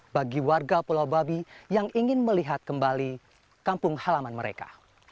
bagi warga pulau babi yang ingin melihat kembali kampung halaman mereka